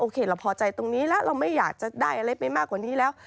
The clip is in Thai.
เราพอใจตรงนี้แล้วเราไม่อยากจะได้อะไรไปมากกว่านี้แล้ว